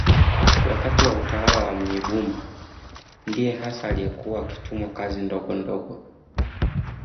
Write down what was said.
Wakati wa utawala wa Munyigumba ndiye hasa aliyekuwa akitumwa kazi ndogondogo